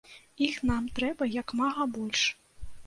Іх нам трэба як мага больш.